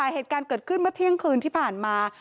เหตุการณ์เกิดขึ้นเมื่อเที่ยงคืนที่ผ่านมา